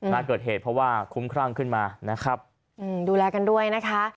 น่าเกิดเหตุเพราะว่าคุ้มครั่งขึ้นมานะครับอืมดูแลกันด้วยนะคะ